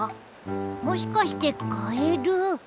もしかしてカエル？